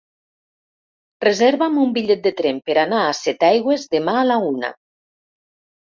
Reserva'm un bitllet de tren per anar a Setaigües demà a la una.